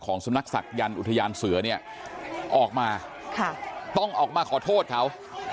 สำนักศักยันต์อุทยานเสือเนี่ยออกมาต้องออกมาขอโทษเขา